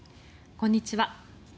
こんにちは。